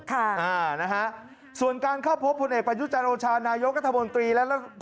ค่ะนะฮะส่วนการข้าพบผลเอกปรายุทธนโรชานายโยคอคและ